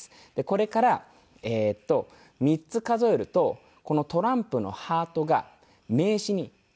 これから３つ数えるとこのトランプのハートが名刺にジャンプします。